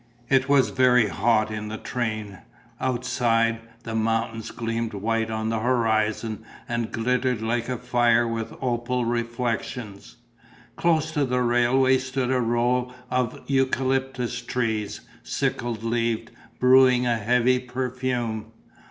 It was very hot in the train. Outside, the mountains gleamed white on the horizon and glittered like a fire with opal reflections. Close to the railway stood a row of eucalyptus trees, sickle leaved, brewing a heavy perfume.